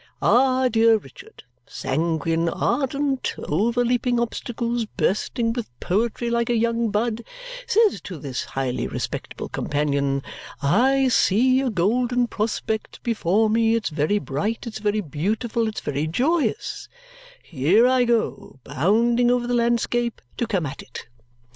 Our dear Richard, sanguine, ardent, overleaping obstacles, bursting with poetry like a young bud, says to this highly respectable companion, 'I see a golden prospect before me; it's very bright, it's very beautiful, it's very joyous; here I go, bounding over the landscape to come at it!'